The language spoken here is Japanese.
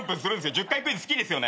１０回クイズ好きですよね？